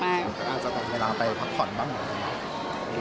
อาจจะเป็นเวลาไปพักผ่อนบ้างหรือเปล่า